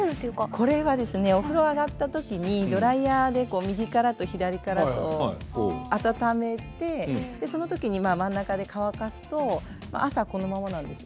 これはですねお風呂上がった時にドライヤーで右からと左からと温めてその時にまあ真ん中で乾かすと朝このままなんです。